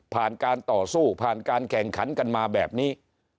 การต่อสู้ผ่านการแข่งขันกันมาแบบนี้